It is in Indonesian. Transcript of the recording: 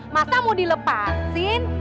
masa mau dilepasin